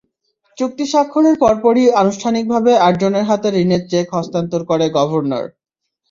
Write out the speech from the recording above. চুক্তি স্বাক্ষরের পরপরই আনুষ্ঠানিকভাবে আটজনের হাতে ঋণের চেক হস্তান্তর করেন গভর্নর।